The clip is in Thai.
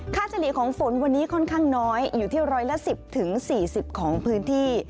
เฉลี่ยของฝนวันนี้ค่อนข้างน้อยอยู่ที่ร้อยละ๑๐๔๐ของพื้นที่